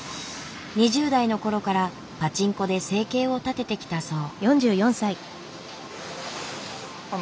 ２０代の頃からパチンコで生計を立ててきたそう。